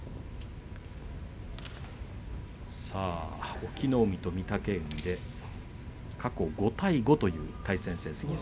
隠岐の海と御嶽海過去５対５という対戦成績です。